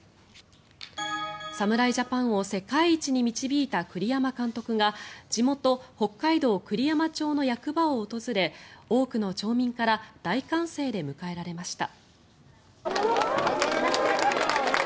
侍ジャパンを世界一に導いた栗山監督が地元・北海道栗山町の役場を訪れ多くの町民から大歓声で迎えられました。